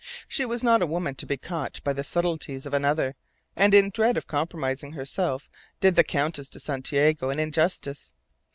She was not a woman to be caught by the subtleties of another; and in dread of compromising herself did the Countess de Santiago an injustice.